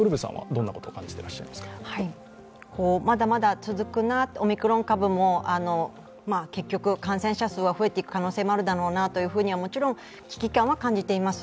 まだまだ続くなと、オミクロン株も結局感染者数は増えていく可能性もあるだろうなとは、もちろん危機感は感じています。